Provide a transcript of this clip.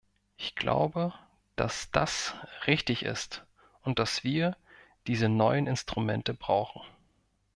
Ich glaube, dass das richtig ist und dass wir diese neuen Instrumente brauchen.